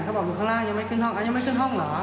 เขาบอกอยู่ข้างล่างยังไม่ขึ้นห้องยังไม่ขึ้นห้องเหรอ